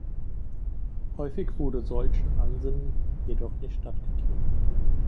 Häufig wurde solchen Ansinnen jedoch nicht stattgegeben.